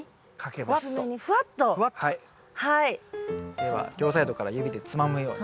では両サイドから指でつまむように。